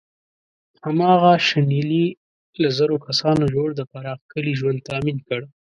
هماغه شنیلي له زرو کسانو جوړ د پراخ کلي ژوند تأمین کړ.